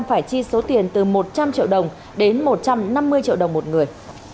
phải chi số tiền từ một trăm linh triệu đồng đến một trăm năm mươi triệu đồng một người